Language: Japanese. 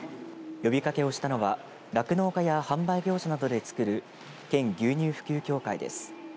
呼びかけをしたのは酪農家や販売業者などでつくる県牛乳普及協会です。